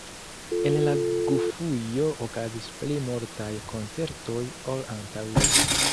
En la gufujo okazis pli multaj koncertoj ol antaŭe.